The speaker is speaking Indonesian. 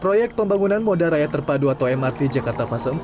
proyek pembangunan moda raya terpadu atau mrt jakarta fase empat